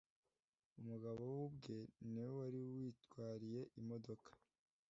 umugabo we ubwe niwe wari witwariye imodoka